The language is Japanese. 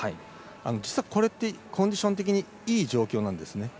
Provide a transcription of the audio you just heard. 実はこれってコンディション的にいい状態なんですね。